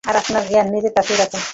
আর আপনার জ্ঞান নিজের কাছেই রাখুন।